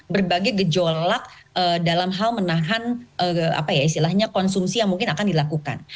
berbagai gejolak dalam hal menahan istilahnya konsumsi yang mungkin akan dilakukan